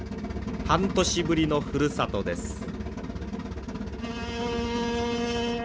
半年ぶりのふるさとです。